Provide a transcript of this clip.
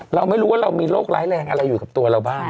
เราไม่รู้ว่าเรามีโรคร้ายแรงอะไรอยู่กับตัวเราบ้าง